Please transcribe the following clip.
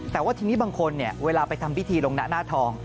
แต่ว่าทีนี้บางคนเวลาไปทำพิธีลงหน้าทอง